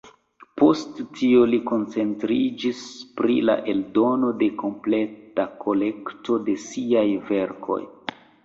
Post tio li koncentriĝis pri la eldono de kompleta kolekto de siaj verkoj.